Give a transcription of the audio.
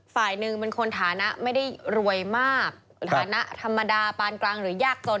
ฝ่ายหนึ่งเป็นคนฐานะไม่ได้รวยมากฐานะธรรมดาปานกลางหรือยากจน